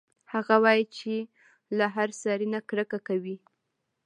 هغه وايي چې له هر سړي نه کرکه کوي